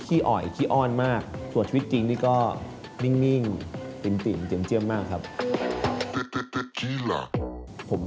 ที่คู่กับดิครัยตาม